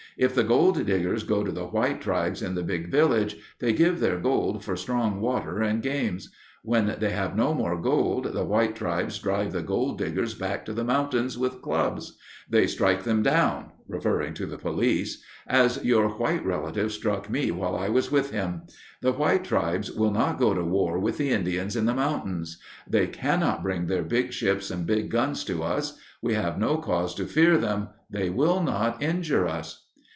If the gold diggers go to the white tribes in the big village, they give their gold for strong water and games; when they have no more gold, the white tribes drive the gold diggers back to the mountains with clubs. They strike them down [referring to the police], as your white relative struck me while I was with him. The white tribes will not go to war with the Indians in the mountains. They cannot bring their big ships and big guns to us; we have no cause to fear them. They will not injure us."